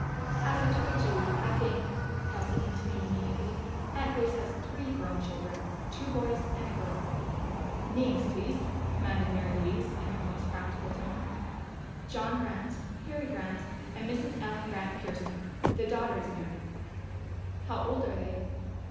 "As I told you, I think," Elsie continued immediately, "Aunt Grace has three grown children. Two boys and a girl." "Names, please," commanded Mary Louise in her most practical tone. "John Grant, Harry Grant, and Mrs. Ellen Grant Pearson. The daughter is married." "How old are they?"